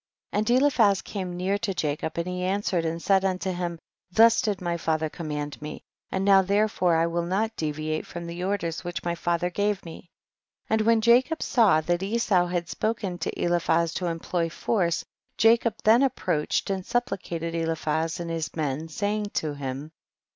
36. And Eliphaz came near to Ja cob and he answered and said unto him, thus did my father command me, and now therefore J will not deviate from the orders which my father gave me ; and when Jacob saw that Esau had spoken to Eliphaz to employ force Jacob then approached and suppli cated Eliphaz and his men, saying to him, 37.